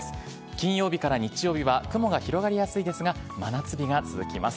金曜日から日曜日は雲が広がりやすいですが、真夏日が続きます。